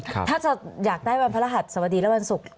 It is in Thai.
ถ้าจะอยากได้วันพระรหัสสวัสดีและวันศุกร์